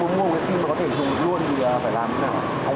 bây giờ muốn mua sim mà có thể dùng luôn thì phải làm thế nào